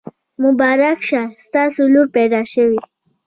مبارک شه! ستاسو لور پیدا شوي.